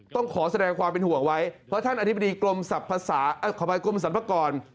ต้องขอแสดงความเป็นห่วงไว้เพราะท่านอธิบดีกรมสรรพากร